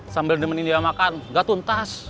sambil nemenin dia makan gak tuntas